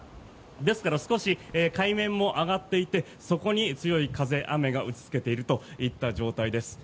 ですから少し海面も上がっていてそこに強い風、雨が打ちつけているといった状態です。